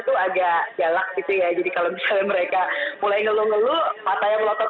tuh agak galak gitu ya jadi kalau misalnya mereka mulai ngeluh ngeluh mata yang melotot